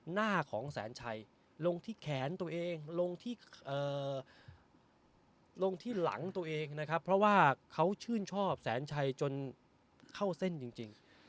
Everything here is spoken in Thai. หน้าของแสนชัยลงที่แขนตัวเองลงที่ลงที่หลังตัวเองนะครับเพราะว่าเขาชื่นชอบแสนชัยจนเข้าเส้นจริง